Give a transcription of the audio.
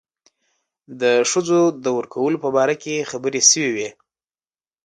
د ښځو د ورکولو په باره کې خبرې شوې وې.